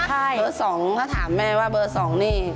เบอร์๒ถ้าถามแม่ว่าเบอร์๒นี่